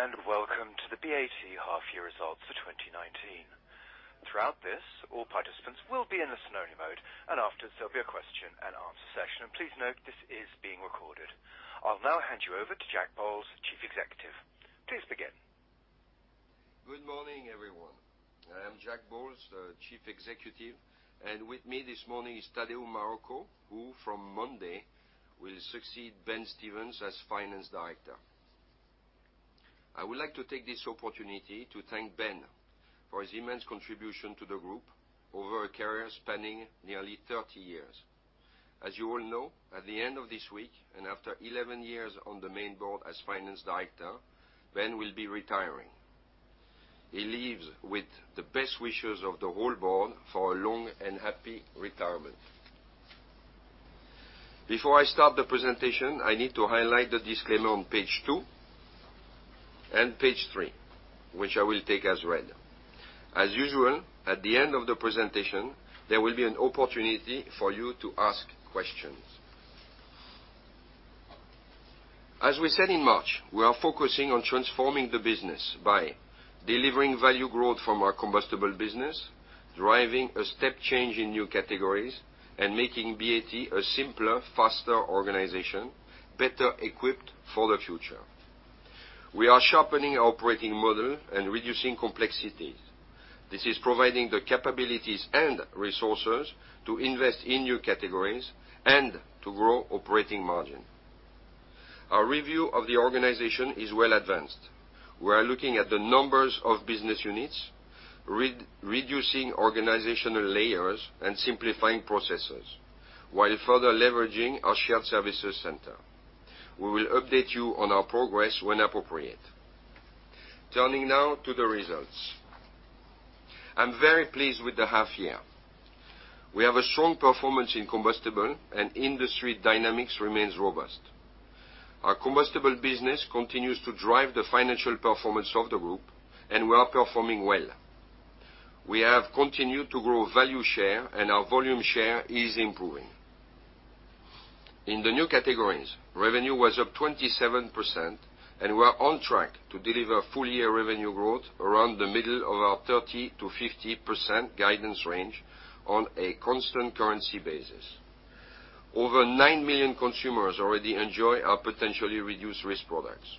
Hello, welcome to the BAT half year results for 2019. Throughout this, all participants will be in listen-only mode, and after, there'll be a question and answer session. Please note, this is being recorded. I'll now hand you over to Jack Bowles, Chief Executive. Please begin. Good morning, everyone. I am Jack Bowles, the Chief Executive, and with me this morning is Tadeu Marroco, who from Monday will succeed Ben Stevens as Finance Director. I would like to take this opportunity to thank Ben for his immense contribution to the group over a career spanning nearly 30 years. As you all know, at the end of this week, after 11 years on the main board as Finance Director, Ben will be retiring. He leaves with the best wishes of the whole board for a long and happy retirement. Before I start the presentation, I need to highlight the disclaimer on page two and page three, which I will take as read. As usual, at the end of the presentation, there will be an opportunity for you to ask questions. As we said in March, we are focusing on transforming the business by delivering value growth from our combustible business, driving a step change in new categories, and making BAT a simpler, faster organization, better equipped for the future. We are sharpening our operating model and reducing complexities. This is providing the capabilities and resources to invest in new categories and to grow operating margin. Our review of the organization is well advanced. We are looking at the numbers of business units, reducing organizational layers, and simplifying processes while further leveraging our shared services center. We will update you on our progress when appropriate. Turning now to the results. I'm very pleased with the half year. We have a strong performance in combustible and industry dynamics remains robust. Our combustible business continues to drive the financial performance of the group, and we are performing well. We have continued to grow value share and our volume share is improving. In the new categories, revenue was up 27% and we're on track to deliver full year revenue growth around the middle of our 30%-50% guidance range on a constant currency basis. Over nine million consumers already enjoy our potentially reduced risk products.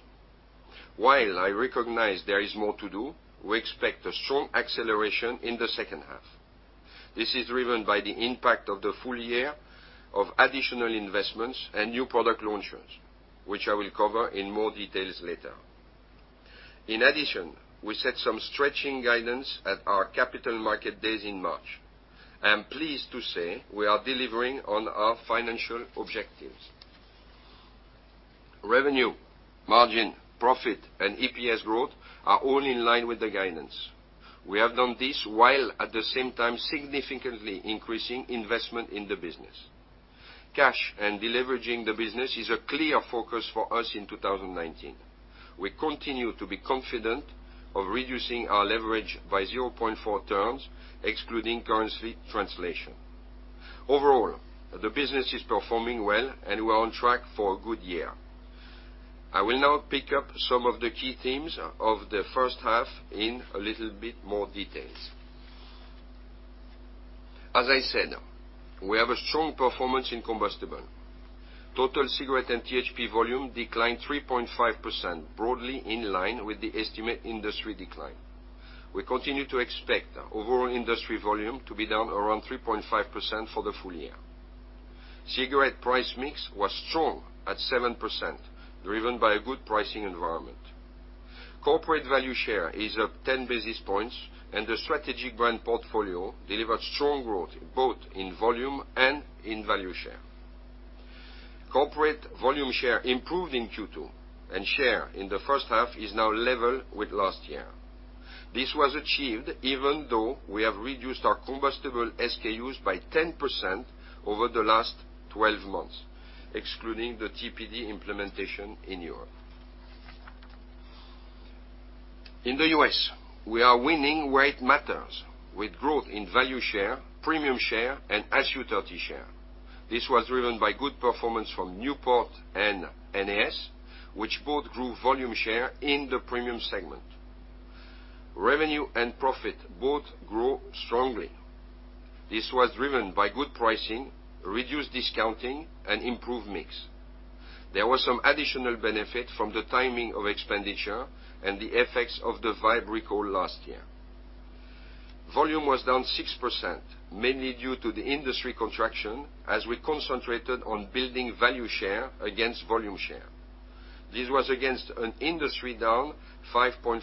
While I recognize there is more to do, we expect a strong acceleration in the second half. This is driven by the impact of the full year of additional investments and new product launches, which I will cover in more details later. We set some stretching guidance at our capital market days in March. I am pleased to say we are delivering on our financial objectives. Revenue, margin, profit, and EPS growth are all in line with the guidance. We have done this while at the same time significantly increasing investment in the business. Cash and deleveraging the business is a clear focus for us in 2019. We continue to be confident of reducing our leverage by 0.4 turns, excluding currency translation. Overall, the business is performing well and we're on track for a good year. I will now pick up some of the key themes of the first half in a little bit more details. As I said, we have a strong performance in combustible. Total cigarette and THP volume declined 3.5%, broadly in line with the estimate industry decline. We continue to expect overall industry volume to be down around 3.5% for the full year. Cigarette price mix was strong at 7%, driven by a good pricing environment. Corporate value share is up 10 basis points and the strategic brand portfolio delivered strong growth both in volume and in value share. Corporate volume share improved in Q2, and share in the first half is now level with last year. This was achieved even though we have reduced our combustible SKUs by 10% over the last 12 months, excluding the TPD implementation in Europe. In the U.S., we are winning where it matters with growth in value share, premium share, and SoV30 share. This was driven by good performance from Newport and NAS, which both grew volume share in the premium segment. Revenue and profit both grew strongly. This was driven by good pricing, reduced discounting, and improved mix. There was some additional benefit from the timing of expenditure and the effects of the Vype recall last year. Volume was down 6%, mainly due to the industry contraction as we concentrated on building value share against volume share. This was against an industry down 5.4%.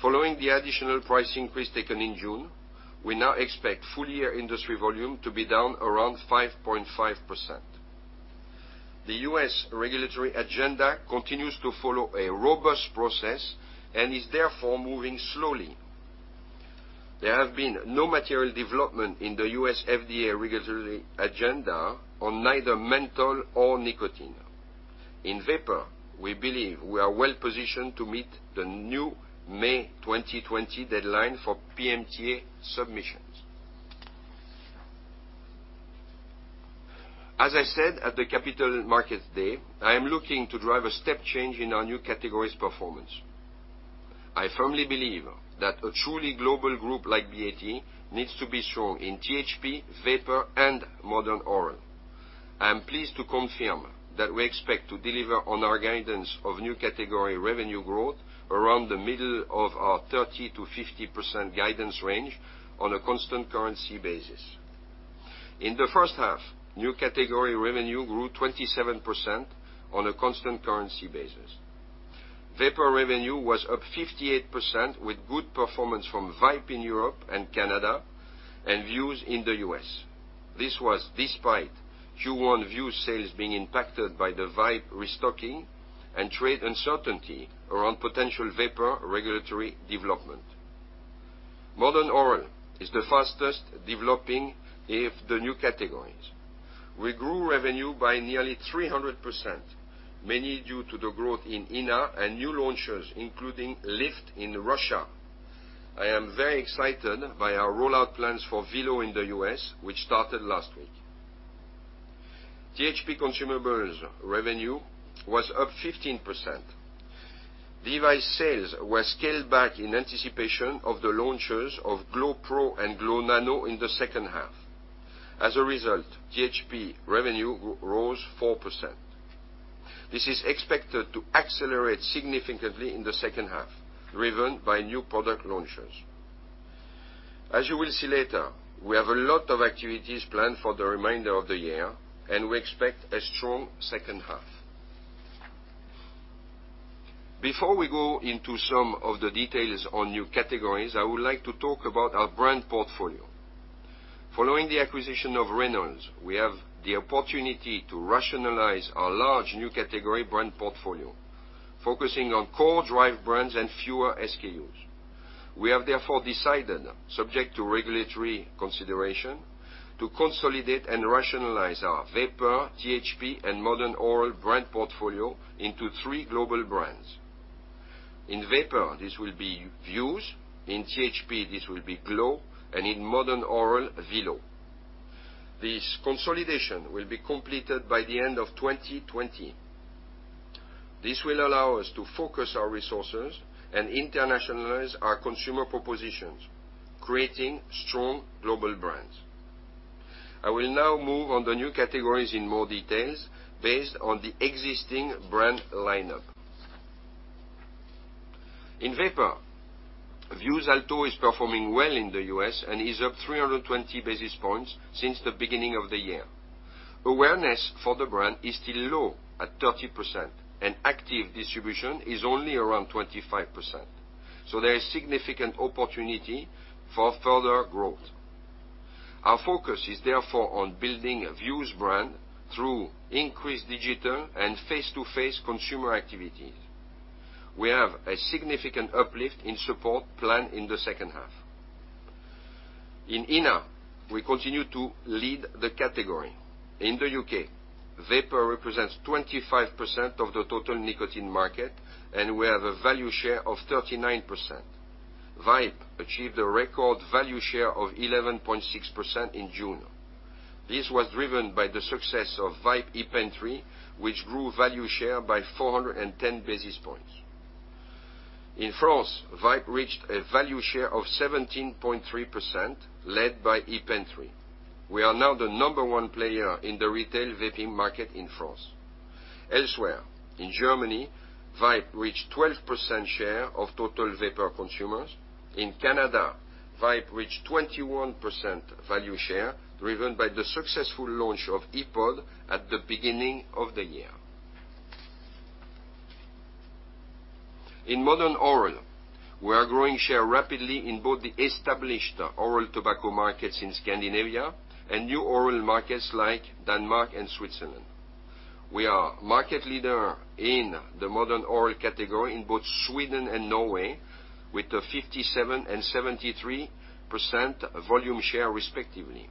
Following the additional price increase taken in June, we now expect full year industry volume to be down around 5.5%. The U.S. regulatory agenda continues to follow a robust process and is therefore moving slowly. There have been no material development in the U.S. FDA regulatory agenda on neither menthol or nicotine. In vapor, we believe we are well-positioned to meet the new May 2020 deadline for PMTA submissions. As I said at the Capital Markets Day, I am looking to drive a step change in our new categories performance. I firmly believe that a truly global group like BAT needs to be strong in THP, vapor, and modern oral. I am pleased to confirm that we expect to deliver on our guidance of New Category revenue growth around the middle of our 30%-50% guidance range on a constant currency basis. In the first half, New Category revenue grew 27% on a constant currency basis. Vapor revenue was up 58%, with good performance from Vype in Europe and Canada and Vuse in the U.S. This was despite Q1 Vuse sales being impacted by the Vype restocking and trade uncertainty around potential Vapor regulatory development. Modern Oral is the fastest developing of the New Categories. We grew revenue by nearly 300%, mainly due to the growth in ENA and new launches, including Lyft in Russia. I am very excited by our rollout plans for Velo in the U.S., which started last week. THP consumables revenue was up 15%. Device sales were scaled back in anticipation of the launches of Glo Pro and Glo Nano in the second half. As a result, THP revenue rose 4%. This is expected to accelerate significantly in the second half, driven by new product launches. As you will see later, we have a lot of activities planned for the remainder of the year, and we expect a strong second half. Before we go into some of the details on new categories, I would like to talk about our brand portfolio. Following the acquisition of Reynolds, we have the opportunity to rationalize our large new category brand portfolio, focusing on core drive brands and fewer SKUs. We have therefore decided, subject to regulatory consideration, to consolidate and rationalize our vapor, THP, and Modern Oral brand portfolio into three global brands. In vapor, this will be Vuse. In THP, this will be Glo. In Modern Oral, Velo. This consolidation will be completed by the end of 2020. This will allow us to focus our resources and internationalize our consumer propositions, creating strong global brands. I will now move on the new categories in more details based on the existing brand lineup. In vapor, Vuse Alto is performing well in the U.S. and is up 320 basis points since the beginning of the year. Awareness for the brand is still low at 30%, and active distribution is only around 25%. There is significant opportunity for further growth. Our focus is therefore on building Vuse brand through increased digital and face-to-face consumer activities. We have a significant uplift in support planned in the second half. In ENA, we continue to lead the category. In the U.K., vapor represents 25% of the total nicotine market, and we have a value share of 39%. Vype achieved a record value share of 11.6% in June. This was driven by the success of Vype ePen 3, which grew value share by 410 basis points. In France, Vype reached a value share of 17.3%, led by ePen 3. We are now the number one player in the retail vaping market in France. Elsewhere, in Germany, Vype reached 12% share of total vapor consumers. In Canada, Vype reached 21% value share, driven by the successful launch of ePod at the beginning of the year. In Modern Oral, we are growing share rapidly in both the established oral tobacco markets in Scandinavia and new oral markets like Denmark and Switzerland. We are market leader in the Modern Oral category in both Sweden and Norway, with a 57% and 73% volume share respectively.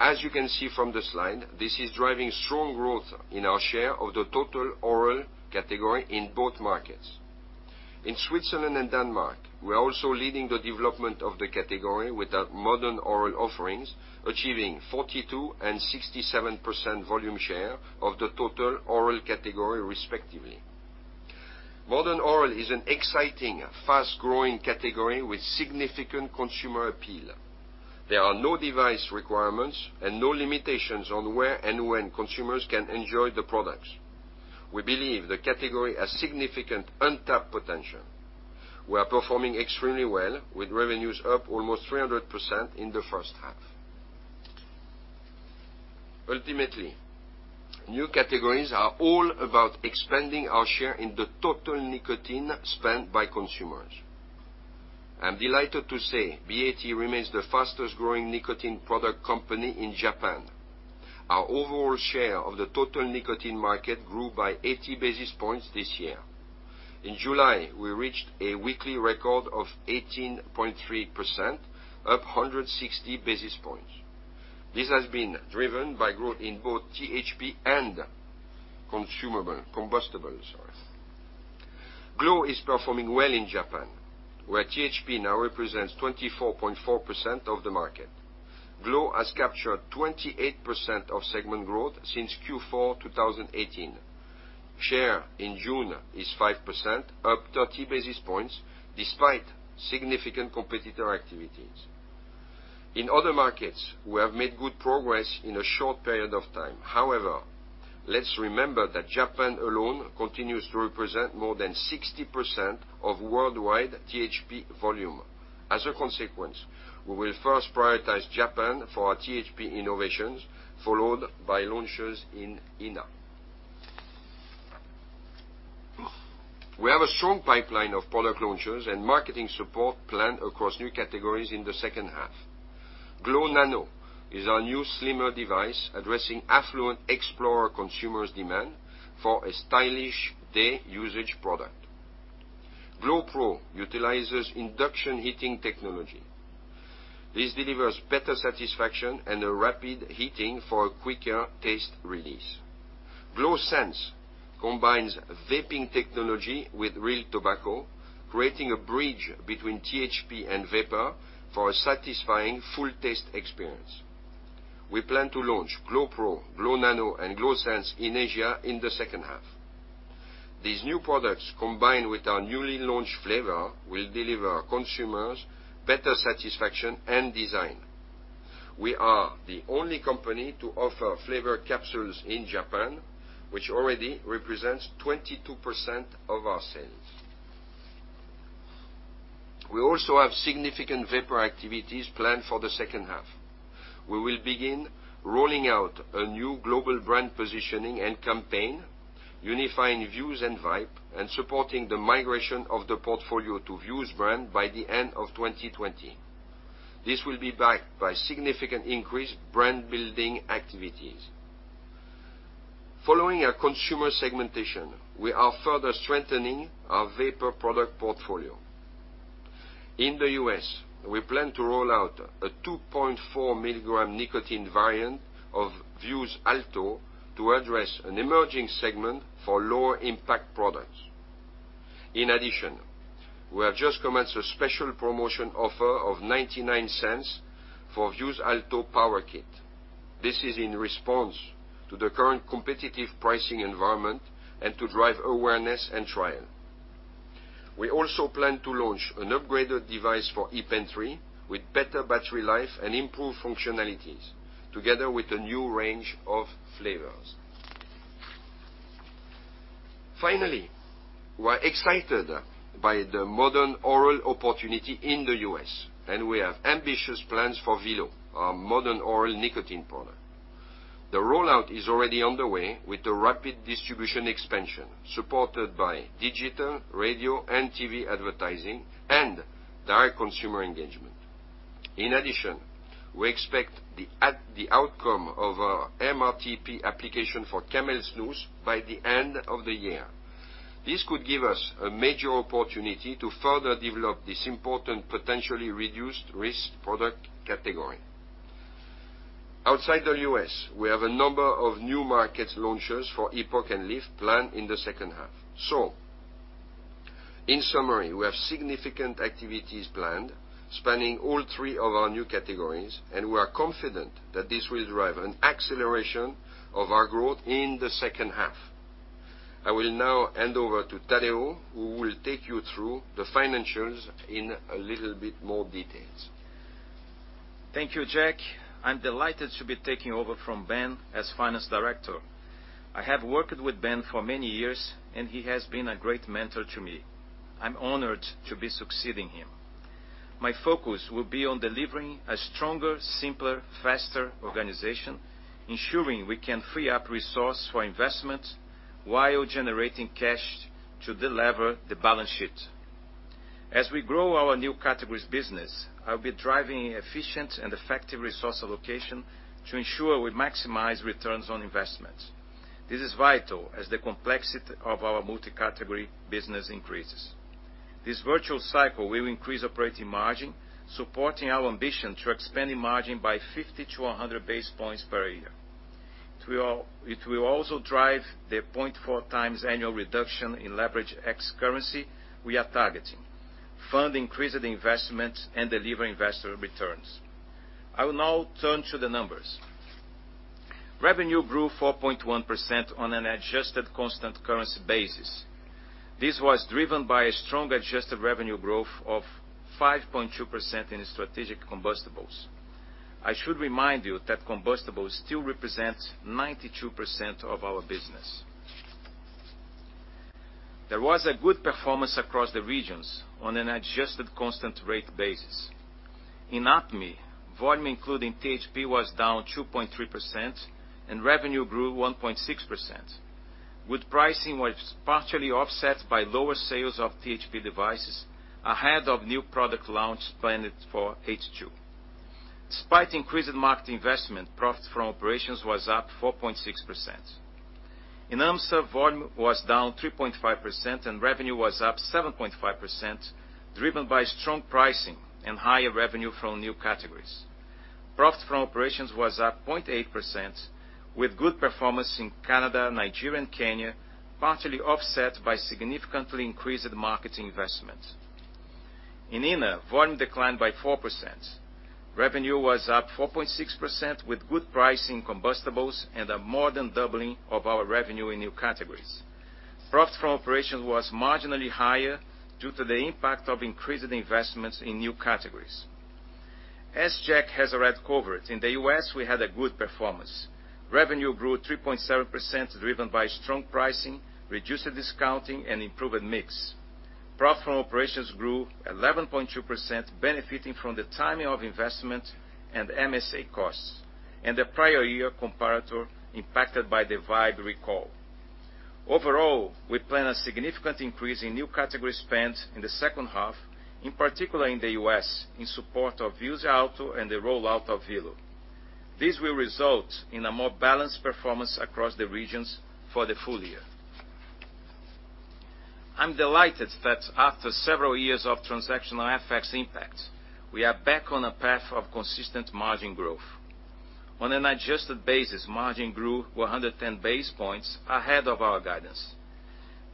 As you can see from the slide, this is driving strong growth in our share of the total oral category in both markets. In Switzerland and Denmark, we are also leading the development of the category with our Modern Oral offerings, achieving 42% and 67% volume share of the total oral category respectively. Modern Oral is an exciting, fast-growing category with significant consumer appeal. There are no device requirements and no limitations on where and when consumers can enjoy the products. We believe the category has significant untapped potential. We are performing extremely well, with revenues up almost 300% in the first half. Ultimately, new categories are all about expanding our share in the total nicotine spent by consumers. I'm delighted to say BAT remains the fastest-growing nicotine product company in Japan. Our overall share of the total nicotine market grew by 80 basis points this year. In July, we reached a weekly record of 18.3%, up 160 basis points. This has been driven by growth in both THP and consumables. Glo is performing well in Japan, where THP now represents 24.4% of the market. Glo has captured 28% of segment growth since Q4 2018. Share in June is 5%, up 30 basis points despite significant competitor activities. In other markets, we have made good progress in a short period of time. Let's remember that Japan alone continues to represent more than 60% of worldwide THP volume. We will first prioritize Japan for our THP innovations, followed by launches in ENA. We have a strong pipeline of product launches and marketing support planned across new categories in the second half. Glo Nano is our new slimmer device addressing affluent explorer consumers' demand for a stylish day usage product. Glo Pro utilizes induction heating technology. This delivers better satisfaction and a rapid heating for a quicker taste release. Glo Sens combines vaping technology with real tobacco, creating a bridge between THP and vapor for a satisfying full taste experience. We plan to launch Glo Pro, Glo Nano, and Glo Sens in Asia in the second half. These new products, combined with our newly launched flavor, will deliver our consumers better satisfaction and design. We are the only company to offer flavor capsules in Japan, which already represents 22% of our sales. We also have significant vapor activities planned for the second half. We will begin rolling out a new global brand positioning and campaign unifying Vuse and Vype, and supporting the migration of the portfolio to Vuse brand by the end of 2020. This will be backed by significant increased brand-building activities. Following our consumer segmentation, we are further strengthening our vapor product portfolio. In the U.S., we plan to roll out a 2.4 milligram nicotine variant of Vuse Alto to address an emerging segment for lower impact products. In addition, we have just commenced a special promotion offer of $0.99 for Vuse Alto Power Kit. This is in response to the current competitive pricing environment and to drive awareness and trial. We also plan to launch an upgraded device for ePen 3 with better battery life and improved functionalities together with a new range of flavors. Finally, we are excited by the Modern Oral opportunity in the U.S. and we have ambitious plans for Velo, our Modern Oral nicotine product. The rollout is already underway with a rapid distribution expansion supported by digital, radio, and TV advertising, and direct consumer engagement. In addition, we expect the outcome of our MRTP application for Camel Snus by the end of the year. This could give us a major opportunity to further develop this important potentially reduced risk product category. Outside the U.S., we have a number of new market launches for Epok and Lyft planned in the second half. In summary, we have significant activities planned spanning all three of our new categories, and we are confident that this will drive an acceleration of our growth in the second half. I will now hand over to Tadeu, who will take you through the financials in a little bit more details. Thank you, Jack. I'm delighted to be taking over from Ben as Finance Director. I have worked with Ben for many years, and he has been a great mentor to me. I'm honored to be succeeding him. My focus will be on delivering a stronger, simpler, faster organization, ensuring we can free up resource for investment while generating cash to delever the balance sheet. As we grow our new categories business, I'll be driving efficient and effective resource allocation to ensure we maximize returns on investments. This is vital as the complexity of our multi-category business increases. This virtual cycle will increase operating margin, supporting our ambition to expanding margin by 50 to 100 basis points per year. It will also drive the 0.4 times annual reduction in leverage ex-currency we are targeting, fund increasing investment, and deliver investor returns. I will now turn to the numbers. Revenue grew 4.1% on an adjusted constant currency basis. This was driven by a strong adjusted revenue growth of 5.2% in strategic combustibles. I should remind you that combustibles still represents 92% of our business. There was a good performance across the regions on an adjusted constant rate basis. In APMEA, volume including THP was down 2.3% and revenue grew 1.6%, with pricing was partially offset by lower sales of THP devices ahead of new product launch planned for H2. Despite increased market investment, profit from operations was up 4.6%. In AmSSA, volume was down 3.5% and revenue was up 7.5%, driven by strong pricing and higher revenue from new categories. Profit from operations was up 0.8%, with good performance in Canada, Nigeria, and Kenya, partially offset by significantly increased marketing investment. In ENA, volume declined by 4%. Revenue was up 4.6%, with good pricing combustibles and a more than doubling of our revenue in new categories. Profit from operations was marginally higher due to the impact of increased investments in new categories. As Jack has already covered, in the U.S., we had a good performance. Revenue grew 3.7%, driven by strong pricing, reduced discounting, and improved mix. Profit from operations grew 11.2%, benefiting from the timing of investment and MSA costs, and the prior year comparator impacted by the Vype recall. Overall, we plan a significant increase in new category spend in the second half, in particular in the U.S., in support of Vuse Alto and the rollout of Velo. This will result in a more balanced performance across the regions for the full year. I'm delighted that after several years of transactional FX impact, we are back on a path of consistent margin growth. On an adjusted basis, margin grew 110 basis points ahead of our guidance.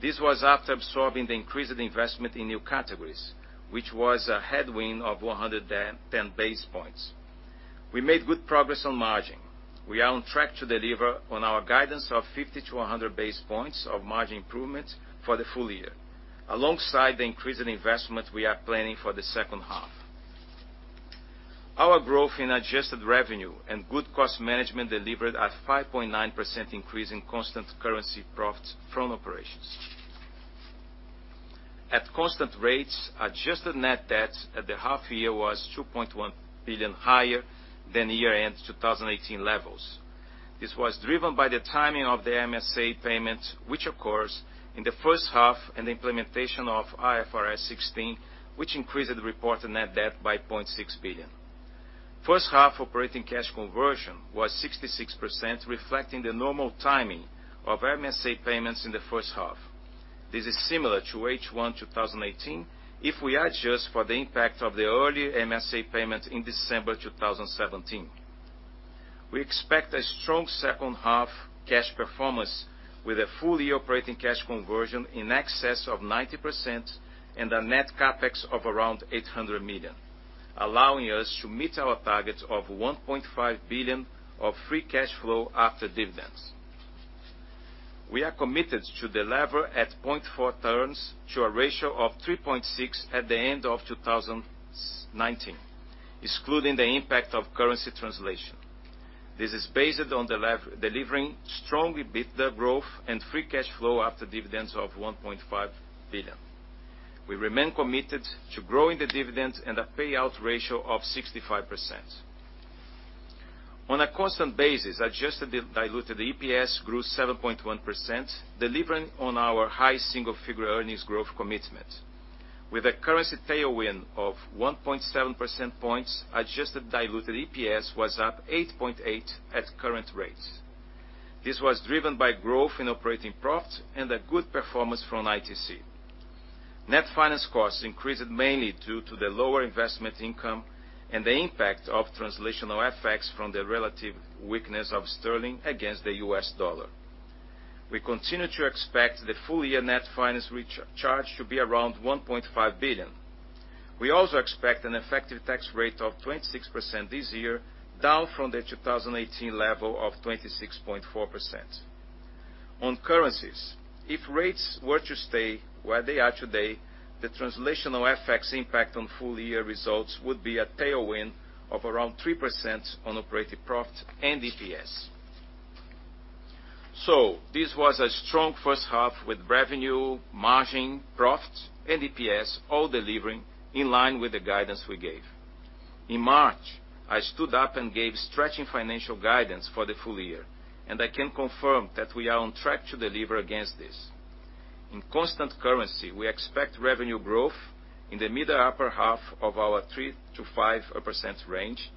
This was after absorbing the increased investment in new categories, which was a headwind of 110 basis points. We made good progress on margin. We are on track to deliver on our guidance of 50 to 100 basis points of margin improvement for the full year, alongside the increased investment we are planning for the second half. Our growth in adjusted revenue and good cost management delivered a 5.9% increase in constant currency profit from operations. At constant rates, adjusted net debt at the half year was 2.1 billion, higher than year-end 2018 levels. This was driven by the timing of the MSA payment, which occurs in the first half, and the implementation of IFRS 16, which increased the reported net debt by 0.6 billion. First half operating cash conversion was 66%, reflecting the normal timing of MSA payments in the first half. This is similar to H1 2018, if we adjust for the impact of the early MSA payment in December 2017. We expect a strong second half cash performance with a full year operating cash conversion in excess of 90% and a net CapEx of around 800 million, allowing us to meet our target of 1.5 billion of free cash flow after dividends. We are committed to the lever at 0.4 turns to a ratio of 3.6 at the end of 2019, excluding the impact of currency translation. This is based on delivering strong EBITDA growth and free cash flow after dividends of 1.5 billion. We remain committed to growing the dividends and a payout ratio of 65%. On a constant basis, adjusted diluted EPS grew 7.1%, delivering on our high single-figure earnings growth commitment. With a currency tailwind of 1.7% points, adjusted diluted EPS was up 8.8% at current rates. This was driven by growth in operating profit and a good performance from ITC. Net finance costs increased mainly due to the lower investment income and the impact of translational FX from the relative weakness of sterling against the US dollar. We continue to expect the full year net finance charge to be around 1.5 billion. We also expect an effective tax rate of 26% this year, down from the 2018 level of 26.4%. On currencies, if rates were to stay where they are today, the translational FX impact on full year results would be a tailwind of around 3% on operating profit and EPS. This was a strong first half with revenue, margin, profit, and EPS all delivering in line with the guidance we gave. In March, I stood up and gave stretching financial guidance for the full year, and I can confirm that we are on track to deliver against this. In constant currency, we expect revenue growth in the mid to upper half of our 3%-5% range,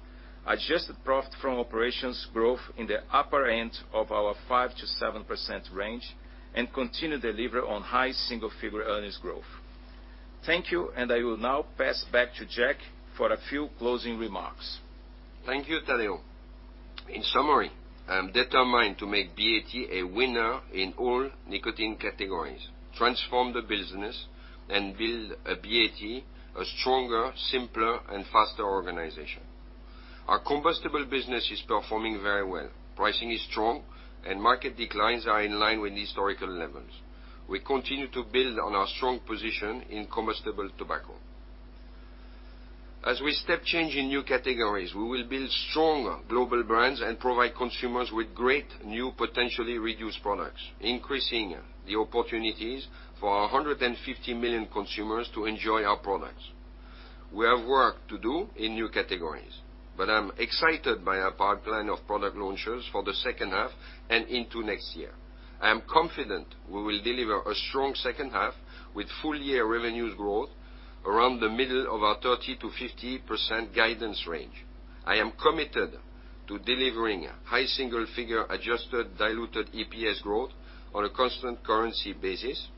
adjusted profit from operations growth in the upper end of our 5%-7% range, and continue delivery on high single-figure earnings growth. Thank you, and I will now pass back to Jack for a few closing remarks. Thank you, Tadeu. In summary, I am determined to make BAT a winner in all nicotine categories, transform the business, and build a BAT, a stronger, simpler, and faster organization. Our combustible business is performing very well. Pricing is strong and market declines are in line with historical levels. We continue to build on our strong position in combustible tobacco. As we step change in new categories, we will build stronger global brands and provide consumers with great new potentially reduced products, increasing the opportunities for 150 million consumers to enjoy our products. We have work to do in new categories. I'm excited by our pipeline of product launches for the second half and into next year. I am confident we will deliver a strong second half with full year revenues growth around the middle of our 30%-50% guidance range. I am committed to delivering high single-figure adjusted diluted EPS growth on a constant currency basis,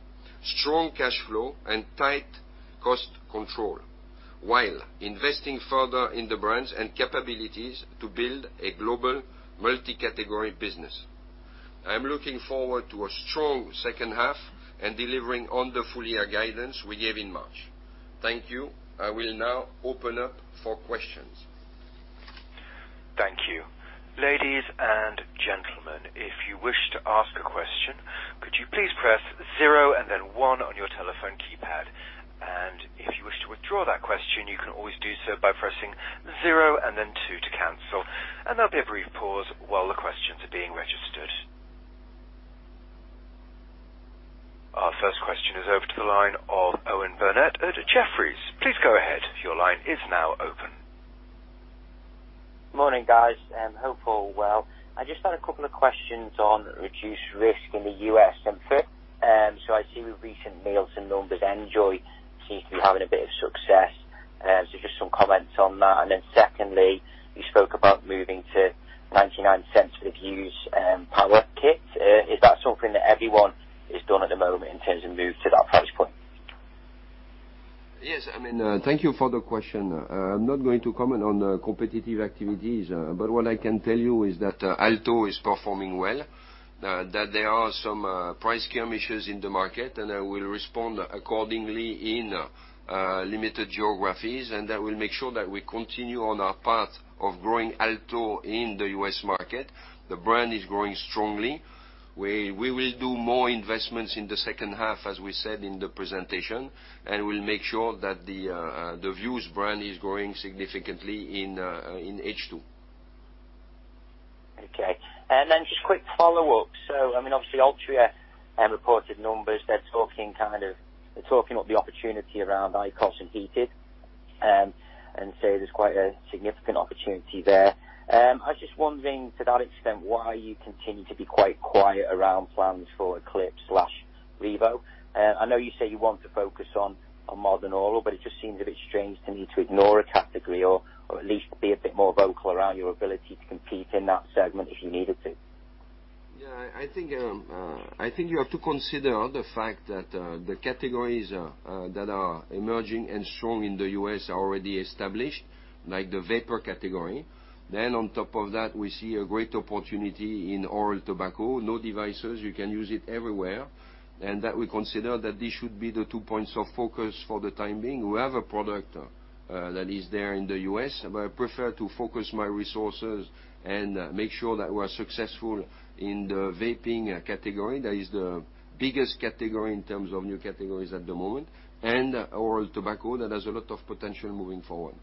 strong cash flow, and tight cost control, while investing further in the brands and capabilities to build a global multi-category business. I'm looking forward to a strong second half and delivering on the full-year guidance we gave in March. Thank you. I will now open up for questions. Thank you. Ladies and gentlemen, if you wish to ask a question, could you please press zero and then one on your telephone keypad? If you wish to withdraw that question, you can always do so by pressing zero and then two to cancel. There'll be a brief pause while the questions are being registered. Our first question is over to the line of Owen Bennett at Jefferies. Please go ahead. Your line is now open. Morning, guys. I hope all well. I just had a couple of questions on reduced risk in the U.S. I see with recent Nielsen numbers, NJOY seems to be having a bit of success. Just some comments on that. Secondly, you spoke about moving to 0.99 with Vuse Power Kits. Is that something that everyone is doing at the moment in terms of move to that price point? Yes. Thank you for the question. I'm not going to comment on competitive activities. What I can tell you is that Alto is performing well, that there are some price scam issues in the market, and I will respond accordingly in limited geographies. That will make sure that we continue on our path of growing Alto in the U.S. market. The brand is growing strongly. We will do more investments in the second half, as we said in the presentation, and we'll make sure that the Vuse brand is growing significantly in H2. Okay. Just quick follow-up. Obviously, Altria reported numbers. They're talking of the opportunity around IQOS and heated, and say there's quite a significant opportunity there. I was just wondering to that extent, why you continue to be quite quiet around plans for Eclipse/Vype? I know you say you want to focus on Modern Oral, it just seems a bit strange to me to ignore a category or at least be a bit more vocal around your ability to compete in that segment if you needed to. Yeah, I think you have to consider the fact that the categories that are emerging and strong in the U.S. are already established, like the vapor category. On top of that, we see a great opportunity in oral tobacco. No devices, you can use it everywhere. That we consider that this should be the two points of focus for the time being. We have a product that is there in the U.S., but I prefer to focus my resources and make sure that we are successful in the vaping category. That is the biggest category in terms of new categories at the moment. Oral tobacco, that has a lot of potential moving forward.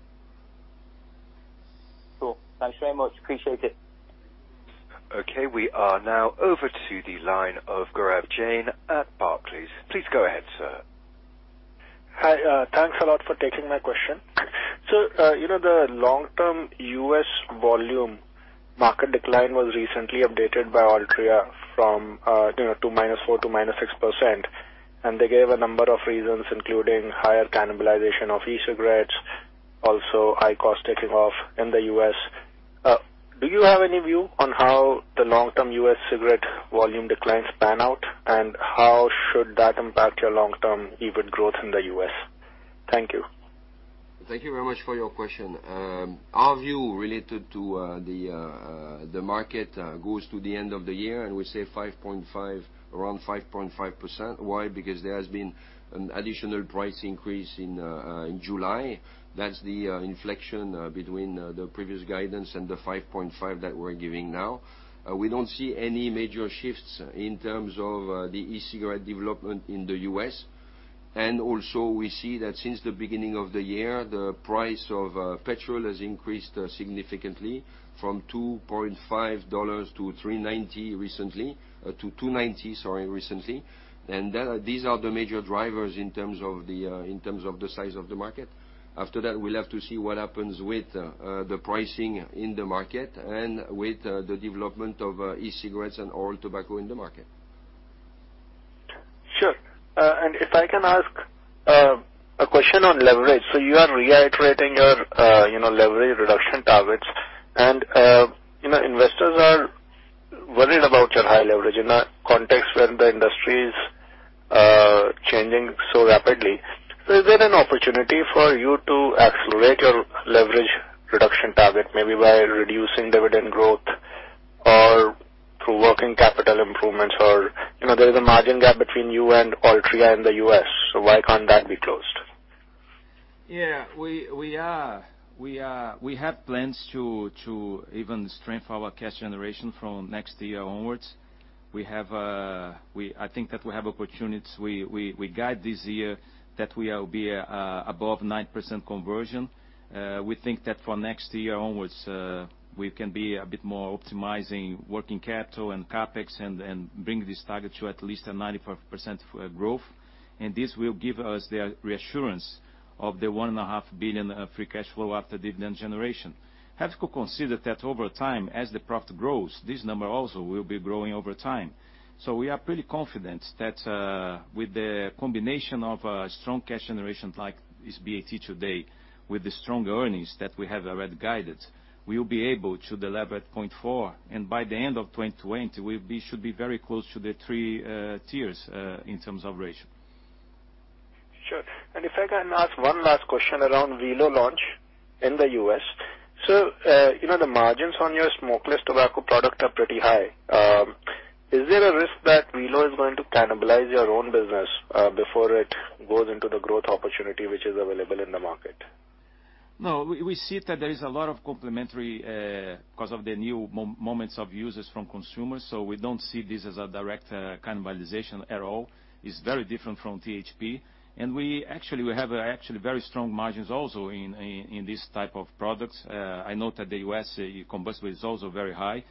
Cool. Thanks very much. Appreciate it. Okay, we are now over to the line of Gaurav Jain at Barclays. Please go ahead, sir. Hi. Thanks a lot for taking my question. The long-term U.S. volume market decline was recently updated by Altria from -4% to -6%. They gave a number of reasons, including higher cannibalization of e-cigarettes, also high cost taking off in the U.S. Do you have any view on how the long-term U.S. cigarette volume declines pan out? How should that impact your long-term EBIT growth in the U.S.? Thank you. Thank you very much for your question. Our view related to the market goes to the end of the year, we say around 5.5%. Why? Because there has been an additional price increase in July. That's the inflection between the previous guidance and the 5.5% that we're giving now. We don't see any major shifts in terms of the e-cigarette development in the U.S. Also, we see that since the beginning of the year, the price of petrol has increased significantly from GBP 2.50 to 3.90 recently. To 2.90, sorry, recently. These are the major drivers in terms of the size of the market. After that, we'll have to see what happens with the pricing in the market and with the development of e-cigarettes and oral tobacco in the market. Sure. If I can ask a question on leverage. You are reiterating your leverage reduction targets, and investors are worried about your high leverage in a context where the industry is changing so rapidly. Is there an opportunity for you to accelerate your leverage reduction target, maybe by reducing dividend growth or through working capital improvements? There is a margin gap between you and Altria in the U.S. Why can't that be closed? Yeah. We have plans to even strengthen our cash generation from next year onwards. I think that we have opportunities. We guide this year that we will be above 9% conversion. We think that for next year onwards, we can be a bit more optimizing working capital and CapEx and bring this target to at least a 95% growth. This will give us the reassurance of the 1.5 billion of free cash flow after dividend generation. We have to consider that over time, as the profit grows, this number also will be growing over time. We are pretty confident that with the combination of a strong cash generation like this BAT today with the strong earnings that we have already guided, we will be able to delever at 0.4. By the end of 2020, we should be very close to the 3 tiers in terms of ratio. Sure. If I can ask one last question around Velo launch in the U.S. The margins on your smokeless tobacco product are pretty high. Is there a risk that Velo is going to cannibalize your own business before it goes into the growth opportunity which is available in the market? No. We see that there is a lot of complementary because of the new moments of users from consumers, we don't see this as a direct cannibalization at all. It's very different from THP. We have actually very strong margins also in this type of products. I know that the U.S. combustible is also very high,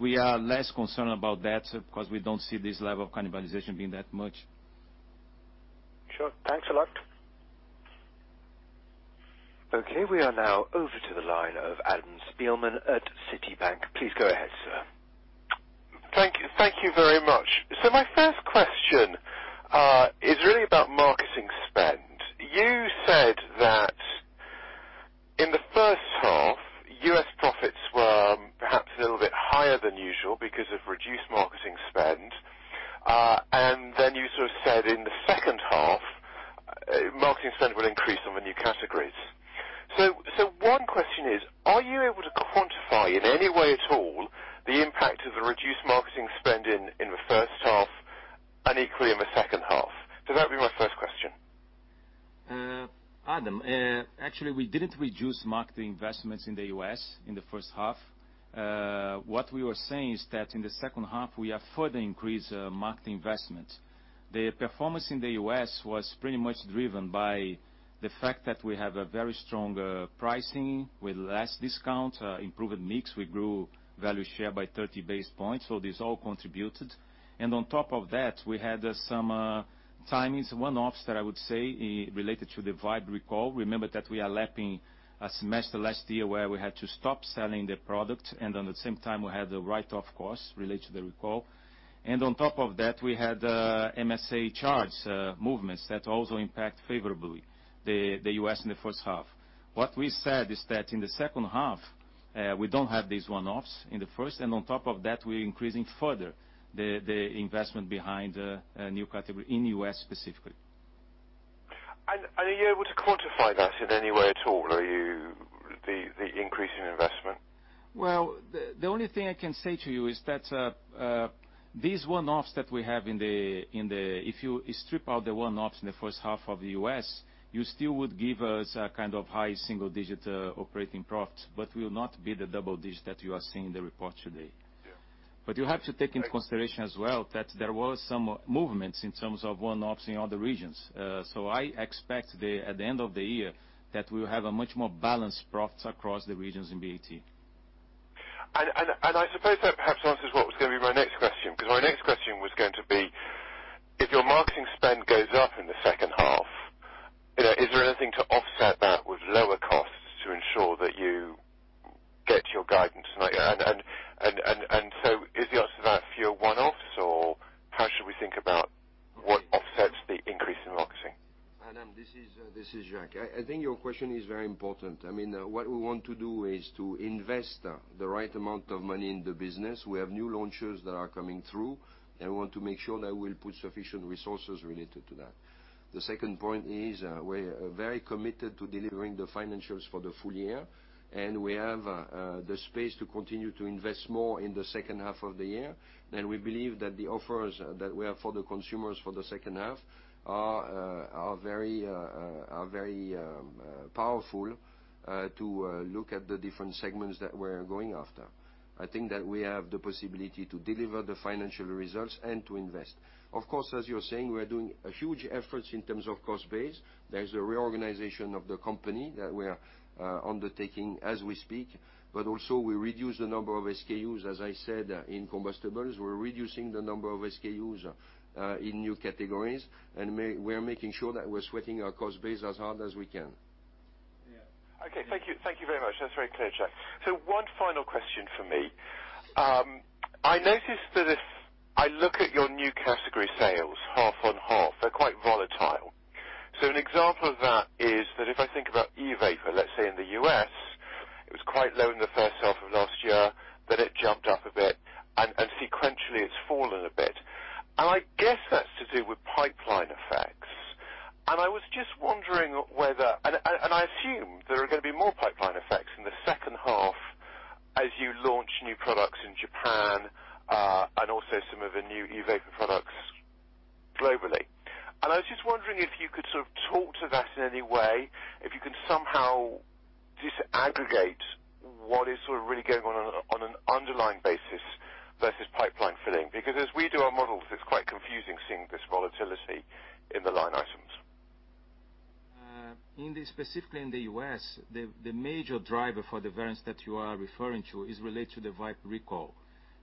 we are less concerned about that because we don't see this level of cannibalization being that much. Sure. Thanks a lot. Okay, we are now over to the line of Adam Spielman at Citi. Please go ahead, sir. Thank you very much. My first question is really about marketing spend. You said that in the first half, U.S. profits were perhaps a little bit higher than usual because of reduced marketing spend. Then you sort of said in the second half, marketing spend will increase on the new categories. One question is, are you able to quantify in any way at all the impact of the reduced marketing spend in the first half and equally in the second half? That'd be my first question. Adam, actually, we didn't reduce marketing investments in the U.S. in the first half. What we were saying is that in the second half, we have further increased marketing investment. The performance in the U.S. was pretty much driven by the fact that we have a very strong pricing with less discount, improved mix. We grew value share by 30 basis points. This all contributed. On top of that, we had some timings, one-offs that I would say related to the Vype recall. Remember that we are lapping a semester last year where we had to stop selling the product, and on the same time, we had the write-off cost related to the recall. On top of that, we had MSA charge movements that also impact favorably the U.S. in the first half. What we said is that in the second half, we don't have these one-offs in the first, and on top of that, we're increasing further the investment behind a new category in U.S. specifically. Are you able to quantify that in any way at all, the increase in investment? Well, the only thing I can say to you is that these one-offs that we have, if you strip out the one-offs in the first half of the U.S., you still would give us a kind of high single-digit operating profit, will not be the double-digit that you are seeing in the report today. Yeah. You have to take into consideration as well that there was some movements in terms of one-offs in other regions. I expect at the end of the year that we'll have a much more balanced profits across the regions in BAT. I suppose that perhaps answers what was going to be my next question, because my next question was going to be, if your marketing spend goes up in the second half, is there anything to offset that with lower costs to ensure that you get your guidance? Is the answer to that fewer one-offs, or how should we think about what offsets the increase in marketing? Adam, this is Jack. I think your question is very important. What we want to do is to invest the right amount of money in the business. We have new launches that are coming through. We want to make sure that we'll put sufficient resources related to that. The second point is, we're very committed to delivering the financials for the full year. We have the space to continue to invest more in the second half of the year. We believe that the offers that we have for the consumers for the second half are very powerful to look at the different segments that we're going after. I think that we have the possibility to deliver the financial results and to invest. Of course, as you're saying, we are doing a huge efforts in terms of cost base. There is a reorganization of the company that we are undertaking as we speak. Also we reduce the number of SKUs, as I said, in combustibles. We're reducing the number of SKUs in new categories, we are making sure that we're sweating our cost base as hard as we can. Yeah. Okay. Thank you very much. That's very clear, Jacques. One final question from me. I noticed that if I look at your new category sales half on half, they're quite volatile. An example of that is that if I think about e-vapor, let's say in the U.S., it was quite low in the first half of last year, then it jumped up a bit, and sequentially, it's fallen a bit. I guess that's to do with pipeline effects. I was just wondering, and I assume there are going to be more pipeline effects in the second half as you launch new products in Japan, and also some of the new e-vapor products globally. I was just wondering if you could sort of talk to that in any way, if you can somehow disaggregate what is sort of really going on an underlying basis versus pipeline filling. As we do our models, it's quite confusing seeing this volatility in the line items. Specifically in the U.S., the major driver for the variance that you are referring to is related to the Vype recall.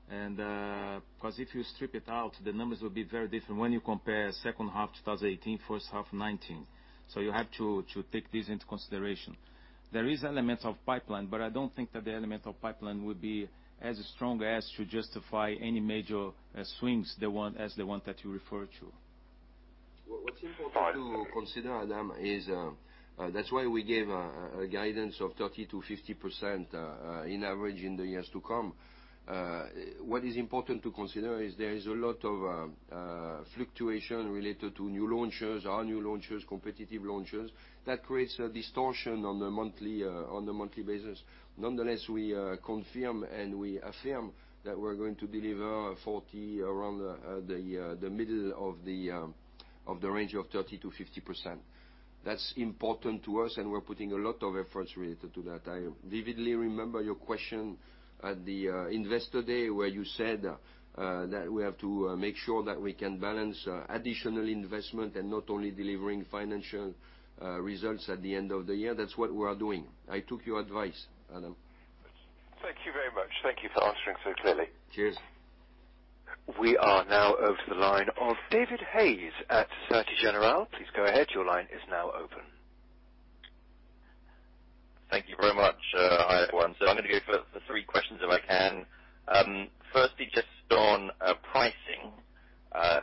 If you strip it out, the numbers will be very different when you compare second half 2018, first half 2019. You have to take this into consideration. There is elements of pipeline, but I don't think that the element of pipeline would be as strong as to justify any major swings as the one that you refer to. What's important to consider, Adam, is that's why we gave a guidance of 30%-50% in average in the years to come. What is important to consider is there is a lot of fluctuation related to new launches, our new launches, competitive launches. That creates a distortion on the monthly basis. Nonetheless, we confirm and we affirm that we're going to deliver 40% around the middle of the range of 30%-50%. That's important to us, and we're putting a lot of efforts related to that. I vividly remember your question at the investor day where you said that we have to make sure that we can balance additional investment and not only delivering financial results at the end of the year. That's what we are doing. I took your advice, Adam. Thank you very much. Thank you for answering so clearly. Cheers. We are now over to the line of David Hayes at Société Générale. Please go ahead. Your line is now open. Thank you very much. Hi, everyone. I'm going to go for three questions if I can. Firstly, just on pricing,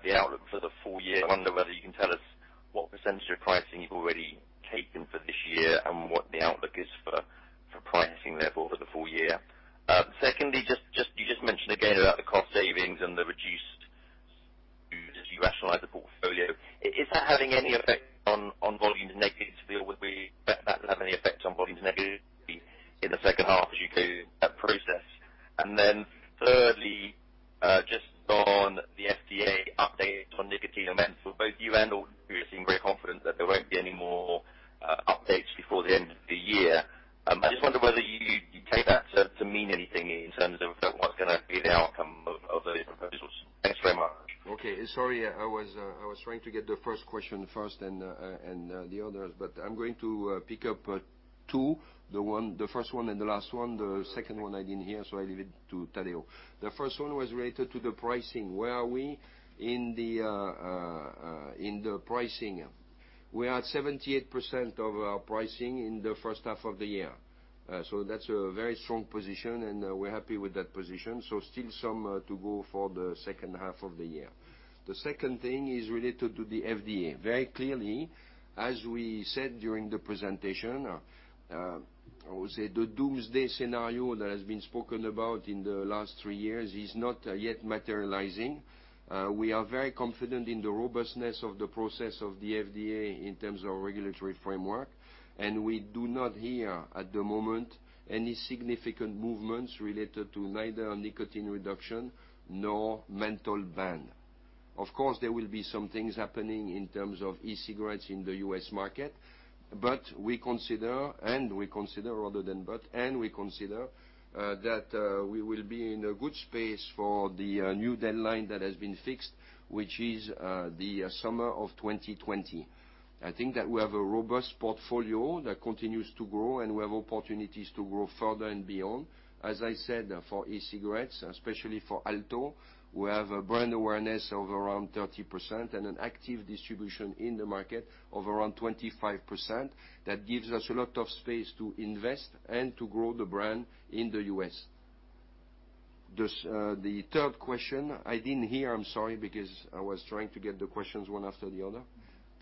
the outlook for the full year. I wonder whether you can tell us what % of pricing you've already taken for this year and what the outlook is for pricing, therefore, for the full year. Secondly, you just mentioned again about the cost savings and as you rationalize the portfolio. Is that having any effect on volumes negatively, or would we expect that to have any effect on volumes negatively in the second half as you go through that process? Thirdly, just on the FDA update on nicotine amendments. For both you and Altria, you seem very confident that there won't be any more updates before the end of the year. I just wonder whether you take that to mean anything in terms of what's going to be the outcome of those proposals. Thanks very much. Okay. Sorry, I was trying to get the first question first, then the others. I'm going to pick up two, the first one and the last one. The second one I didn't hear. I leave it to Tadeu. The first one was related to the pricing. Where are we in the pricing? We are at 78% of our pricing in the first half of the year. That's a very strong position, and we're happy with that position. Still some to go for the second half of the year. The second thing is related to the FDA. Very clearly, as we said during the presentation, I would say the doomsday scenario that has been spoken about in the last three years is not yet materializing. We are very confident in the robustness of the process of the FDA in terms of regulatory framework. We do not hear, at the moment, any significant movements related to neither nicotine reduction nor menthol ban. Of course, there will be some things happening in terms of e-cigarettes in the U.S. market. We consider that we will be in a good space for the new deadline that has been fixed, which is the summer of 2020. I think that we have a robust portfolio that continues to grow. We have opportunities to grow further and beyond. As I said, for e-cigarettes, especially for Alto, we have a brand awareness of around 30% and an active distribution in the market of around 25%. That gives us a lot of space to invest and to grow the brand in the U.S. The third question, I didn't hear, I'm sorry, because I was trying to get the questions one after the other.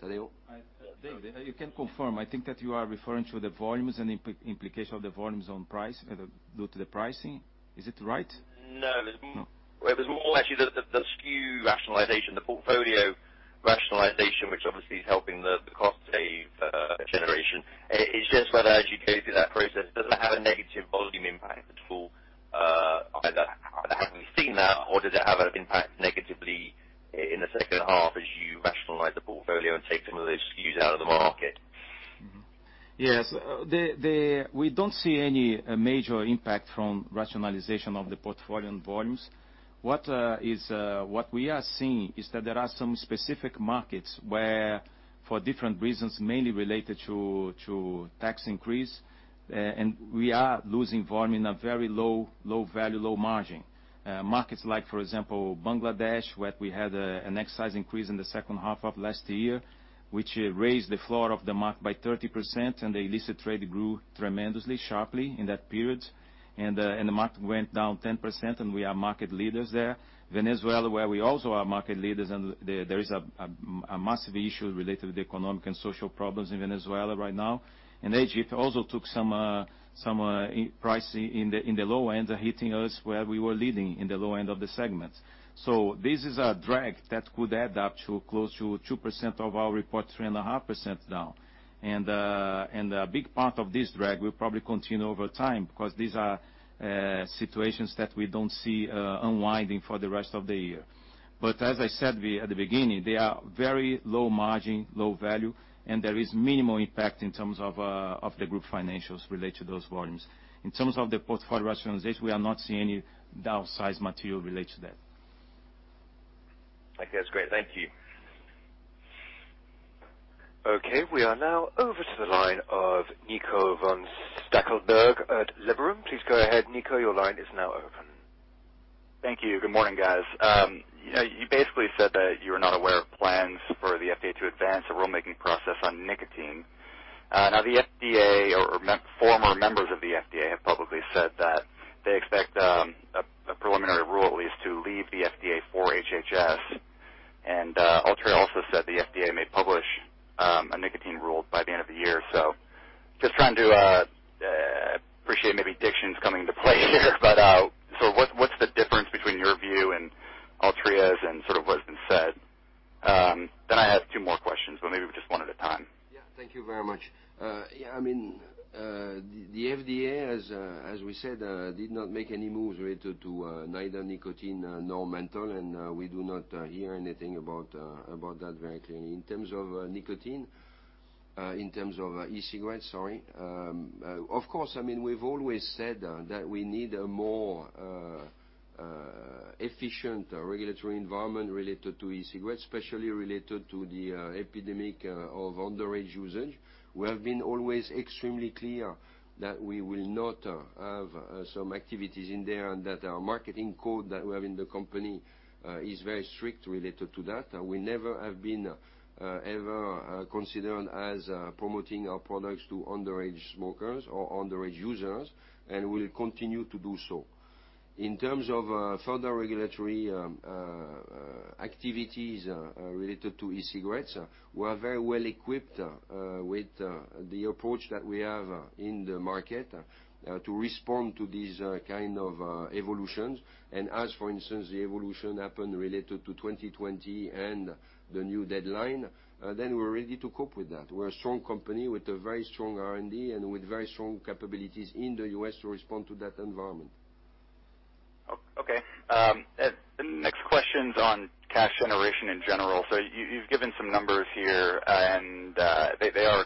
Tadeu? You can confirm. I think that you are referring to the volumes and implication of the volumes on price due to the pricing. Is it right? No. No. It was more actually the SKU rationalization, the portfolio rationalization, which obviously is helping the cost save generation. It's just whether, as you go through that process, does it have a negative volume impact at all? Either have we seen that or does it have an impact negatively in the second half as you rationalize the portfolio and take some of the SKUs out of the market? Yes. We don't see any major impact from rationalization of the portfolio and volumes. What we are seeing is that there are some specific markets where, for different reasons, mainly related to tax increase, and we are losing volume in a very low value, low margin markets like, for example, Bangladesh, where we had an excise increase in the second half of last year, which raised the floor of the market by 30%, and the illicit trade grew tremendously sharply in that period. The market went down 10%, and we are market leaders there. Venezuela, where we also are market leaders, and there is a massive issue related to the economic and social problems in Venezuela right now. Egypt also took some price in the low end, hitting us where we were leading in the low end of the segment. This is a drag that could add up to close to 2% of our report, 3.5% now. A big part of this drag will probably continue over time because these are situations that we don't see unwinding for the rest of the year. As I said at the beginning, they are very low margin, low value, and there is minimal impact in terms of the group financials related to those volumes. In terms of the portfolio rationalization, we are not seeing any downsize material related to that. Okay, that's great. Thank you. Okay, we are now over to the line of Nico von Stackelberg at Liberum. Please go ahead, Nico. Your line is now open. Thank you. Good morning, guys. You basically said that you're not aware of plans for the FDA to advance a rulemaking process on nicotine. Now the FDA or former members of the FDA have publicly said that they expect a preliminary rule at least to leave the FDA for HHS. Altria also said the FDA may publish a nicotine rule by the end of the year. Just trying to appreciate maybe diction's coming into play here, but so what's the difference between your view and Altria's and sort of what has been said? I have two more questions, but maybe just one at a time. Yeah, thank you very much. Yeah, the FDA as we said, did not make any moves related to neither nicotine nor menthol, and we do not hear anything about that very clearly. In terms of nicotine, in terms of e-cigarettes, sorry. Of course, we've always said that we need a more efficient regulatory environment related to e-cigarettes, especially related to the epidemic of underage usage. We have been always extremely clear that we will not have some activities in there and that our marketing code that we have in the company is very strict related to that. We never have been ever considered as promoting our products to underage smokers or underage users, and we'll continue to do so. In terms of further regulatory activities related to e-cigarettes, we are very well equipped with the approach that we have in the market to respond to these kind of evolutions. As, for instance, the evolution happened related to 2020 and the new deadline, then we're ready to cope with that. We're a strong company with a very strong R&D and with very strong capabilities in the U.S. to respond to that environment. Okay. The next question's on cash generation in general. You've given some numbers here, and they are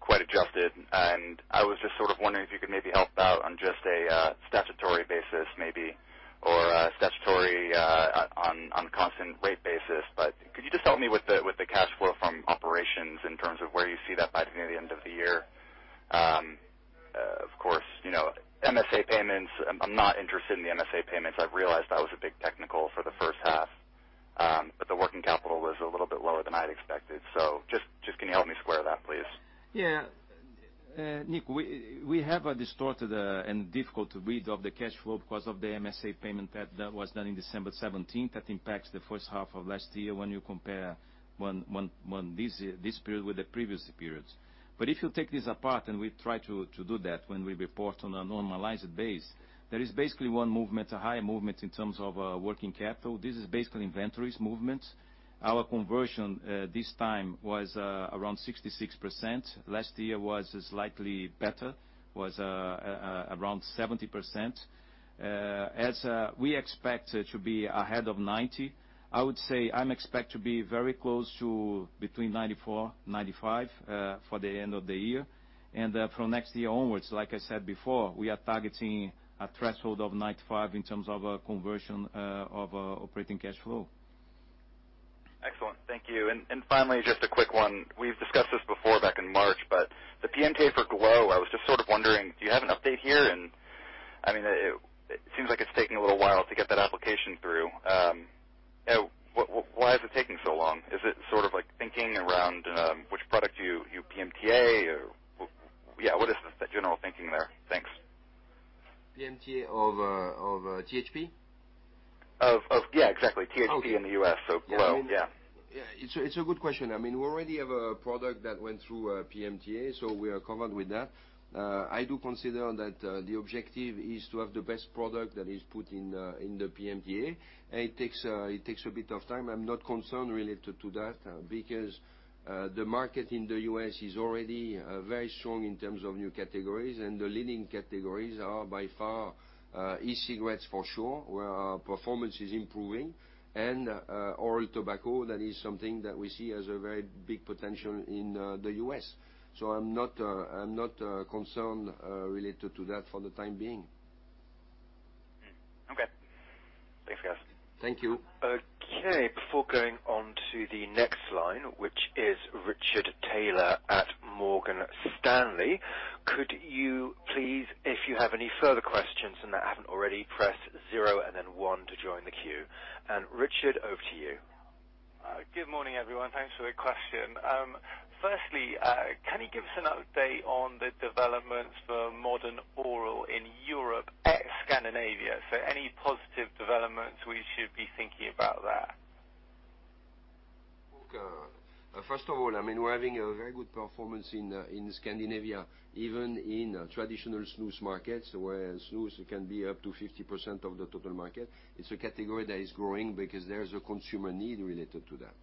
quite adjusted. I was just sort of wondering if you could maybe help out on just a statutory basis maybe, or a statutory on constant rate basis. Could you just help me with the cash flow from operations in terms of where you see that by the end of the year? Of course, MSA payments, I'm not interested in the MSA payments. I've realized that was a big technical for the first half. The working capital was a little bit lower than I'd expected. Just, can you help me square that, please? Yeah. Nick, we have a distorted and difficult read of the cash flow because of the MSA payment that was done in December 2017. That impacts the first half of last year when you compare this period with the previous periods. If you take this apart, and we try to do that when we report on a normalized base, there is basically one movement, a high movement in terms of working capital. This is basically inventories movement. Our conversion this time was around 66%. Last year was slightly better, was around 70%. As we expect to be ahead of 90, I would say I'm expect to be very close to between 94, 95 for the end of the year. From next year onwards, like I said before, we are targeting a threshold of 95 in terms of conversion of operating cash flow. Excellent. Thank you. Finally, just a quick one. We've discussed this before back in March, the PMTA for Glo, I was just sort of wondering, do you have an update here? It seems like it's taking a little while to get that application through. Why is it taking so long? Is it sort of like thinking around which product you PMTA? Yeah, what is the general thinking there? Thanks. PMTA of THP? Yeah, exactly. THP in the U.S. Glo, yeah. It's a good question. We already have a product that went through PMTA. We are covered with that. I do consider that the objective is to have the best product that is put in the PMTA, and it takes a bit of time. I'm not concerned related to that because the market in the U.S. is already very strong in terms of new categories and the leading categories are by far e-cigarettes for sure, where our performance is improving. Oral tobacco, that is something that we see has a very big potential in the U.S. I'm not concerned related to that for the time being. Okay. Thanks, guys. Thank you. Okay. Before going on to the next line, which is Richard Taylor at Morgan Stanley, could you please, if you have any further questions and haven't already, press zero and then one to join the queue. Richard, over to you. Good morning, everyone. Thanks for the question. Can you give us an update on the developments for Modern Oral in Europe ex Scandinavia? Any positive developments we should be thinking about there? First of all, we're having a very good performance in Scandinavia, even in traditional snus markets where snus can be up to 50% of the total market. It's a category that is growing because there is a consumer need related to that.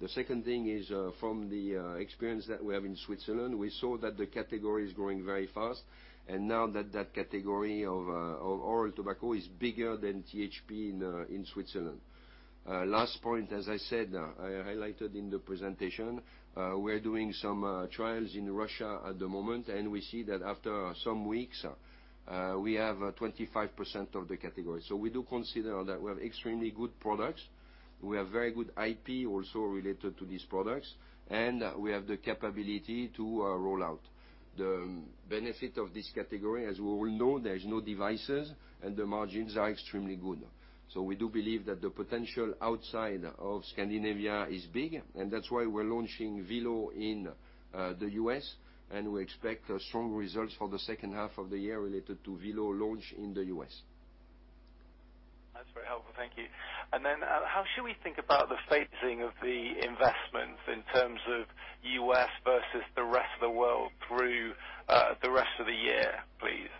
The second thing is from the experience that we have in Switzerland, we saw that the category is growing very fast. Now that that category of oral tobacco is bigger than THP in Switzerland. Last point, as I said, I highlighted in the presentation, we're doing some trials in Russia at the moment, and we see that after some weeks, we have 25% of the category. We do consider that we have extremely good products. We have very good IP also related to these products, and we have the capability to roll out. The benefit of this category, as we all know, there is no devices and the margins are extremely good. We do believe that the potential outside of Scandinavia is big, and that's why we're launching Velo in the U.S., and we expect strong results for the second half of the year related to Velo launch in the U.S. That's very helpful. Thank you. How should we think about the phasing of the investment in terms of U.S. versus the rest of the world through the rest of the year, please?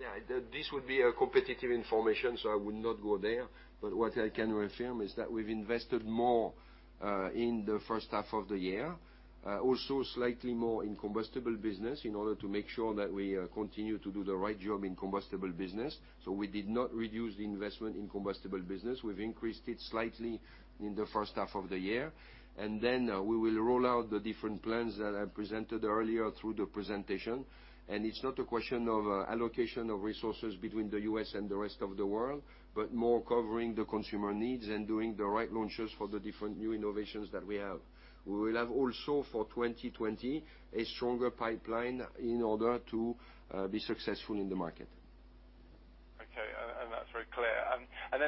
Yeah, this would be a competitive information, so I would not go there. What I can reaffirm is that we've invested more in the first half of the year, also slightly more in combustible business in order to make sure that we continue to do the right job in combustible business. We did not reduce the investment in combustible business. We've increased it slightly in the first half of the year. We will roll out the different plans that I presented earlier through the presentation. It's not a question of allocation of resources between the U.S. and the rest of the world, but more covering the consumer needs and doing the right launches for the different new innovations that we have. We will have also for 2020, a stronger pipeline in order to be successful in the market. Okay. That's very clear.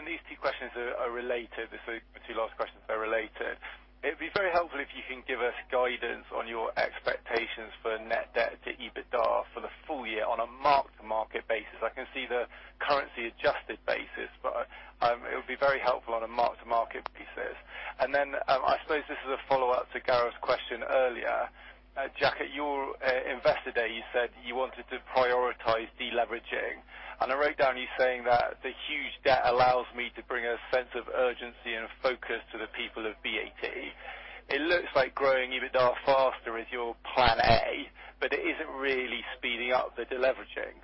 These two questions are related, the two last questions are related. It'd be very helpful if you can give us guidance on your expectations for net debt to EBITDA for the full year on a mark-to-market basis. I can see the currency adjusted basis, it would be very helpful on a mark-to-market basis. I suppose this is a follow-up to Gaurav's question earlier. Jack, at your Investor Day, you said you wanted to prioritize deleveraging. I wrote down you saying that, "The huge debt allows me to bring a sense of urgency and focus to the people of BAT." It looks like growing EBITDA faster is your plan A, but it isn't really speeding up the deleveraging.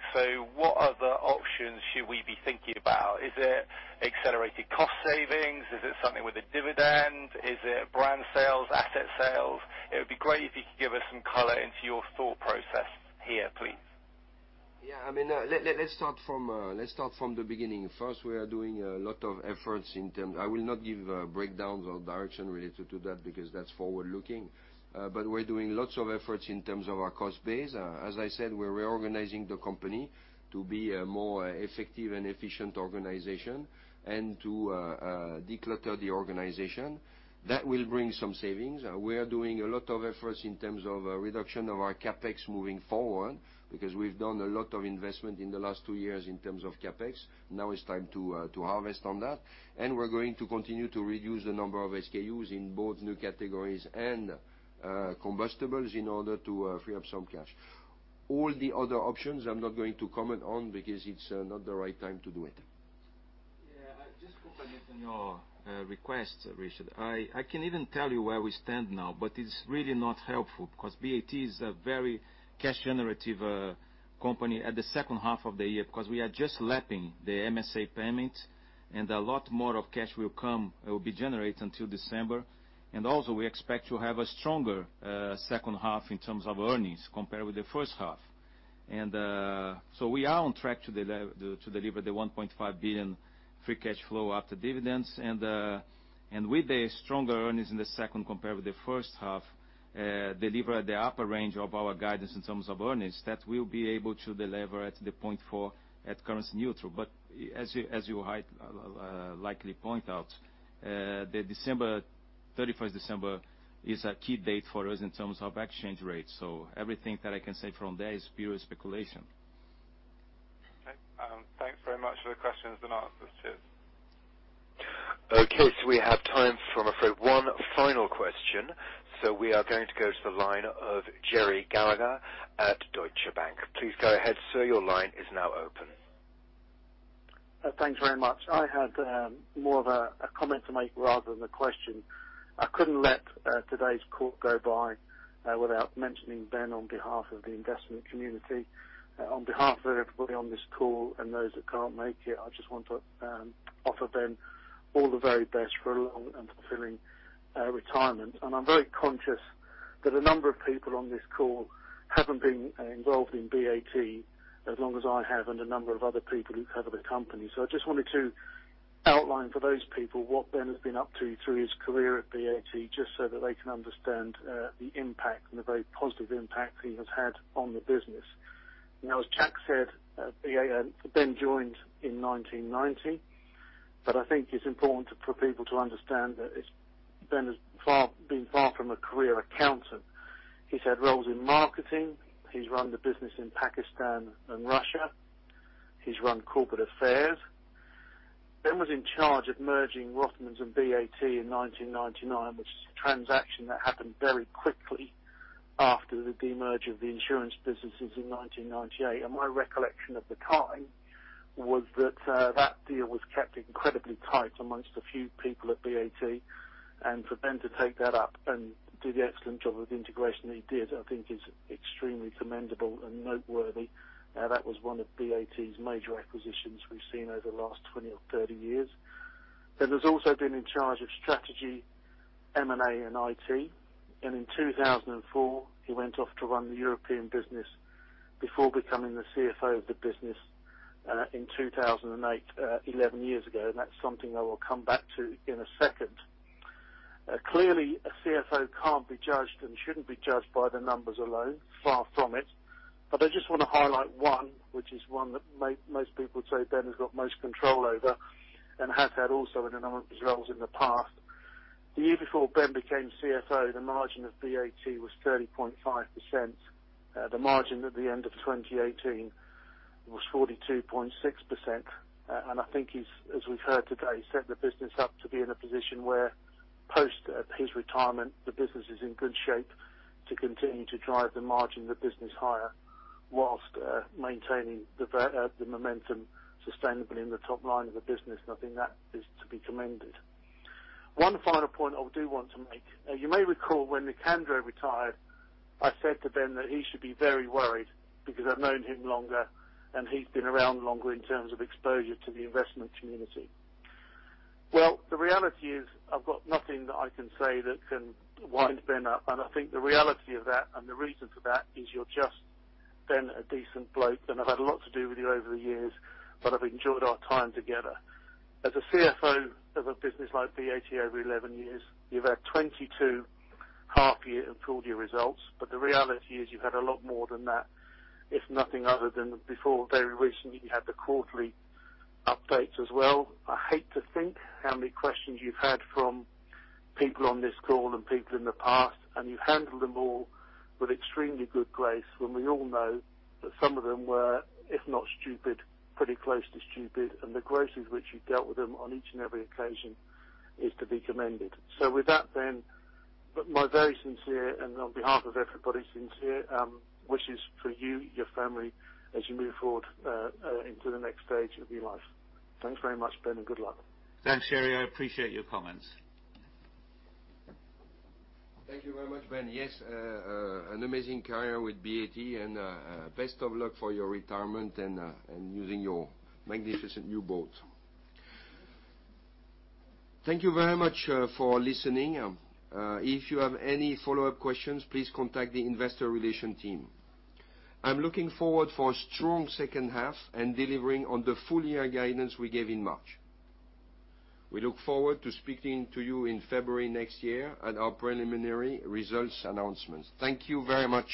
What other options should we be thinking about? Is it accelerated cost savings? Is it something with a dividend? Is it brand sales, asset sales? It would be great if you could give us some color into your thought process here, please. Yeah. Let's start from the beginning. We are doing a lot of efforts. I will not give breakdowns or direction related to that because that's forward-looking. We're doing lots of efforts in terms of our cost base. As I said, we're reorganizing the company to be a more effective and efficient organization and to declutter the organization. That will bring some savings. We are doing a lot of efforts in terms of reduction of our CapEx moving forward because we've done a lot of investment in the last two years in terms of CapEx. Now it's time to harvest on that. We're going to continue to reduce the number of SKUs in both new categories and combustibles in order to free up some cash. All the other options I'm not going to comment on because it's not the right time to do it. Just to complement on your request, Richard. I can even tell you where we stand now, but it's really not helpful because BAT is a very cash generative company at the second half of the year, because we are just lapping the MSA payment and a lot more of cash will come, it will be generated until December. Also, we expect to have a stronger second half in terms of earnings compared with the first half. We are on track to deliver the 1.5 billion free cash flow after dividends. With the stronger earnings in the second compared with the first half, deliver at the upper range of our guidance in terms of earnings, that we'll be able to delever at the 0.4 at currency neutral. As you likely point out, the 31st December is a key date for us in terms of exchange rates. Everything that I can say from there is pure speculation. Okay. Thanks very much for the questions and answers, cheers. We have time for, I afraid, one final question. We are going to go to the line of Gerry Gallagher at Deutsche Bank. Please go ahead, sir, your line is now open. Thanks very much. I had more of a comment to make rather than a question. I couldn't let today's call go by without mentioning Ben on behalf of the investment community. On behalf of everybody on this call and those that can't make it, I just want to offer Ben all the very best for a long and fulfilling retirement. I'm very conscious that a number of people on this call haven't been involved in BAT as long as I have and a number of other people who cover the company. I just wanted to outline for those people what Ben has been up to through his career at BAT, just so that they can understand the impact and the very positive impact he has had on the business. As Jack said, Ben joined in 1990, but I think it's important for people to understand that Ben has been far from a career accountant. He's had roles in marketing. He's run the business in Pakistan and Russia. He's run corporate affairs. Ben was in charge of merging Rothmans and BAT in 1999, which is a transaction that happened very quickly after the demerger of the insurance businesses in 1998. My recollection at the time was that that deal was kept incredibly tight amongst a few people at BAT. For Ben to take that up and do the excellent job of integration he did, I think is extremely commendable and noteworthy. That was one of BAT's major acquisitions we've seen over the last 20 or 30 years. Ben has also been in charge of strategy, M&A, and IT. In 2004, he went off to run the European business before becoming the CFO of the business, in 2008, 11 years ago. That's something I will come back to in a second. Clearly, a CFO can't be judged and shouldn't be judged by the numbers alone, far from it. I just want to highlight one, which is one that most people would say Ben has got most control over and has had also in a number of his roles in the past. The year before Ben became CFO, the margin of BAT was 30.5%. The margin at the end of 2018 was 42.6%. I think he's, as we've heard today, set the business up to be in a position where post his retirement, the business is in good shape to continue to drive the margin of the business higher whilst maintaining the momentum sustainably in the top line of the business. I think that is to be commended. One final point I do want to make. You may recall when Nicandro retired, I said to Ben that he should be very worried because I've known him longer and he's been around longer in terms of exposure to the investment community. Well, the reality is, I've got nothing that I can say that can wind Ben up. I think the reality of that and the reason for that is you're just, Ben, a decent bloke, and I've had a lot to do with you over the years, but I've enjoyed our time together. As a CFO of a business like BAT over 11 years, you've had 22 half-year and full-year results, but the reality is you've had a lot more than that, if nothing other than before very recently, you had the quarterly updates as well. I hate to think how many questions you've had from people on this call and people in the past, and you've handled them all with extremely good grace when we all know that some of them were, if not stupid, pretty close to stupid, and the grace with which you dealt with them on each and every occasion is to be commended. With that, Ben, my very sincere and on behalf of everybody, sincere wishes for you, your family, as you move forward into the next stage of your life. Thanks very much, Ben, and good luck. Thanks, Gerry. I appreciate your comments. Thank you very much, Ben. Yes, an amazing career with BAT, and best of luck for your retirement and using your magnificent new boat. Thank you very much for listening. If you have any follow-up questions, please contact the investor relation team. I'm looking forward for a strong second half and delivering on the full year guidance we gave in March. We look forward to speaking to you in February next year at our preliminary results announcements. Thank you very much.